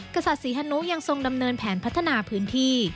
กษัตริย์ศรีฮนุยังทรงดำเนินแผนพัฒนาพื้นที่